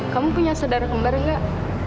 kamu punya saudara kumar gak